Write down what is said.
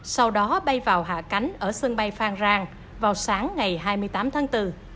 sau đó bay vào hạ cánh ở sân bay phan rang vào sáng ngày hai mươi tám tháng bốn